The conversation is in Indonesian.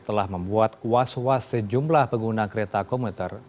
telah membuat kuas kuas sejumlah pengguna kereta komuter